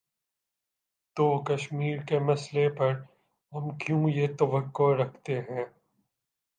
تو کشمیر کے مسئلے پر ہم کیوں یہ توقع رکھتے ہیں۔